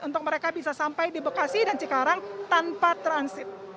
untuk mereka bisa sampai di bekasi dan cikarang tanpa transit